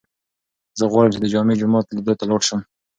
زه غواړم چې د جامع جومات لیدو ته لاړ شم.